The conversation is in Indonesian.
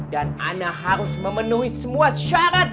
dan ana harus memenuhi semua syarat